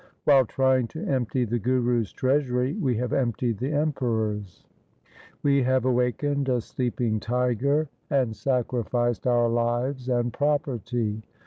While trying to empty the Guru's treasury we have emptied the Emperor's. We have awakened a sleeping tiger and sacrificed our lives and property.